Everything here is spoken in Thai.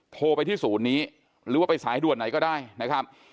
โทรไปที่ศูนย์นี้หรือว่าไปสายด่วนไหนก็ได้นะครับ